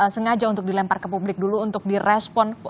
sengaja untuk dilempar ke publik dulu untuk direspon